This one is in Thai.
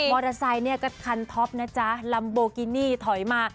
อเตอร์ไซค์เนี่ยก็คันท็อปนะจ๊ะลัมโบกินี่ถอยมา